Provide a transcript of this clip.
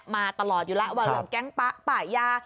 มาตลอดอยู่แล้วว่าเรื่องแก๊งป๊ะป่ายา